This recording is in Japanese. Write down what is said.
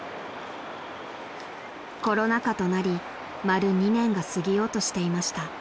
［コロナ禍となり丸２年が過ぎようとしていました］